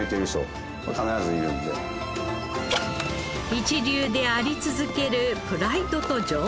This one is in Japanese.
一流であり続けるプライドと情熱に密着。